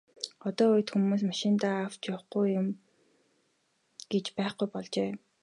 Одоо үед хүмүүс машиндаа авч явахгүй юм гэж байхгүй болжээ.